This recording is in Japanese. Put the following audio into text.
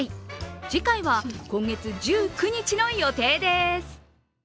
次回は今月１９日の予定です。